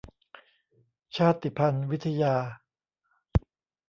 ชาติพันธุ์วิทยา